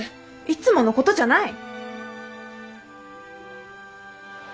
いつものことじゃない！